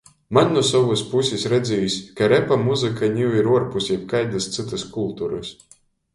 Maņ nu sovys pusis redzīs, ka repa muzyka niu ir uorpus jebkaidys cytys kulturys.